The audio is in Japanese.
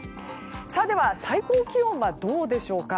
では最高気温はどうでしょうか。